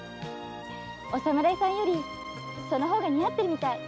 お侍さんよりその方が似合ってるみたい。